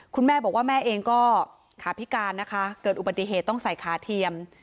คุณแม่บอกว่าแม่เองก็ขาพิการนะคะเกิดอุบัติเหตุต้องใส่ขาเทียม